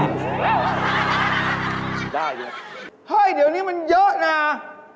ชิบได้ที่งั้นเห้ยเดี๋ยวนี้มันเยอะน่ะ